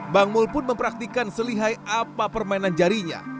bang mul pun mempraktikan selihai apa permainan jarinya